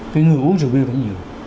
cái người uống rượu bia vẫn nhiều